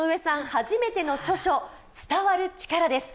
初めての著書、「伝わるチカラ」です。